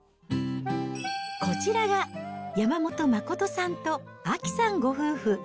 こちらが、山本真さんと亜紀さんご夫婦。